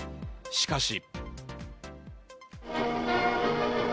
しかし。